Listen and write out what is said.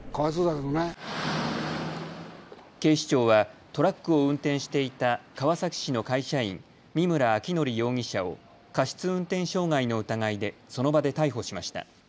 警視庁はトラックを運転していた川崎市の会社員、見村彰紀容疑者を過失運転傷害の疑いで、その場で逮捕しました。